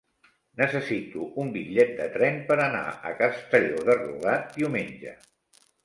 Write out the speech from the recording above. Necessito un bitllet de tren per anar a Castelló de Rugat diumenge.